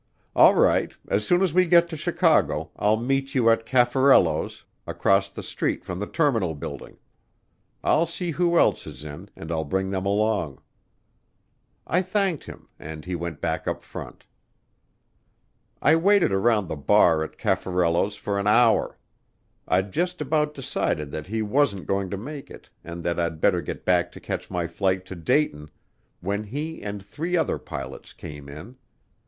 "All right, as soon as we get to Chicago I'll meet you at Caffarello's, across the street from the terminal building. I'll see who else is in and I'll bring them along." I thanked him and he went back up front. I waited around the bar at Caffarello's for an hour. I'd just about decided that he wasn't going to make it and that I'd better get back to catch my flight to Dayton when he and three other pilots came in.